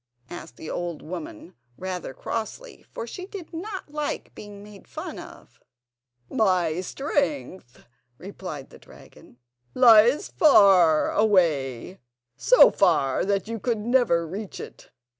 asked the old woman, rather crossly, for she did not like being made fun of. "My strength," replied the dragon, "lies far away; so far that you could never reach it.